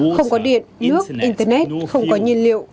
không có điện nước internet không có nhiên liệu